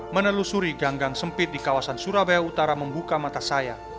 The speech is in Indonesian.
menelusuri ganggang sempit di kawasan surabaya utara membuka mata saya